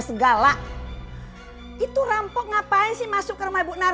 sampai jumpa di video selanjutnya